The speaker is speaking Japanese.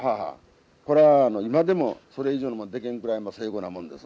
これは今でもそれ以上のもの出来んぐらい精巧なもんです。